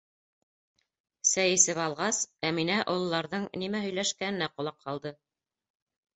Сәй эсеп алғас, Әминә ололарҙың нимә һөйләшкәненә ҡолаҡ һалды.